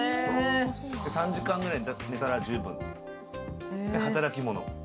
３時間ぐらい寝たら十分、で、働き者。